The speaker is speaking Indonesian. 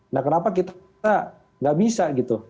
nah kenapa kita nggak bisa gitu